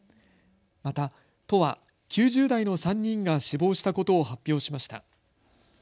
また都は９０代の３人が死亡したことを発表しました。